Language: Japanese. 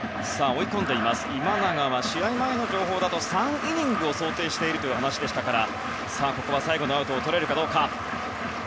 今永は試合前の情報だと３イニングを想定しているという話でしたからここは最後にアウトをとれるかどうか。